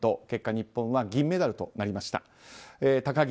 結果、日本は銀メダルとなりました。